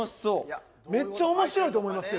めっちゃ面白いと思いますよ。